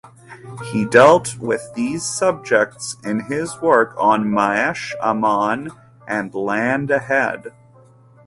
He dealt with these subjects in his work on Ma’aseh Aman and Land Ahead.